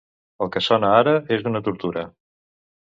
El que sona ara és una tortura.